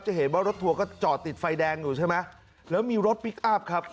เห็นว่ารถทัวร์ก็จอดติดไฟแดงอยู่ใช่ไหมแล้วมีรถพลิกอัพครับ